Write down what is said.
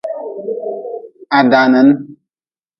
Ha danin.